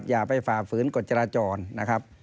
อย่าไปฝ่าฝืนกฎจราจรนะครับ